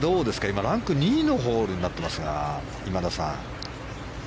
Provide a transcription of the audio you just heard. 今、ランク２位のホールになってますが、今田さん。